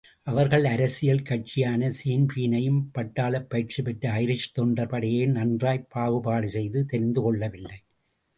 அவர்கள் அரசியல் கட்சியான ஸின்பீனையும், பட்டாளப் பயிற்சிபெற்ற ஐரிஷ் தொண்டர் படையையும் நன்றாய்ப் பாகுபாடு செய்து தெரிந்துகொள்ளவில்லை.